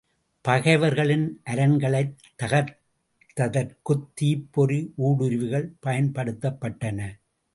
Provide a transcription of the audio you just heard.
பகைவர்களின் அரண்களைத் தகர்த்தற்குத் தீப் பொறி ஊடுருவிகள் பயன்படுத்தப்பட்டன.